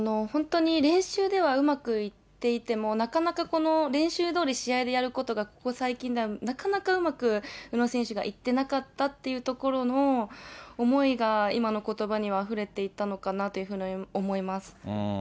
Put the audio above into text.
本当に練習ではうまくいっていても、なかなか練習どおり試合でやることが、ここ最近ではなかなかうまく、宇野選手がいってなかったっていうところの思いが今のことばにはあふれていたのかなというふうに思います。